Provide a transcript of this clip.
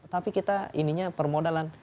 tapi kita ininya permodalan